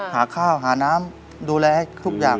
หาข้าวหาน้ำดูแลให้ทุกอย่าง